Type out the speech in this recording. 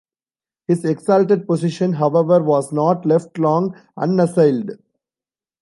His exalted position, however, was not left long unassailed.